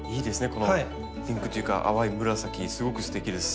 このピンクというか淡い紫すごくすてきです。